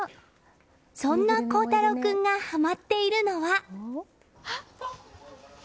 そんな鋼太朗君がはまっているのは。